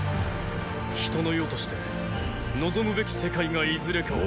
人の世として望むべき世界がいずれかは。